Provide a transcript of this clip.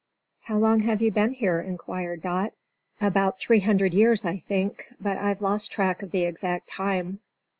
"How long have you been here?" inquired Dot. "About three hundred years, I think; but I've lost track of the exact time."